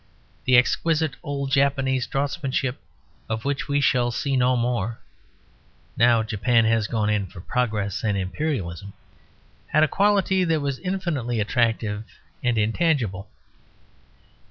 The exquisite old Japanese draughtsmanship (of which we shall see no more, now Japan has gone in for Progress and Imperialism) had a quality that was infinitely attractive and intangible.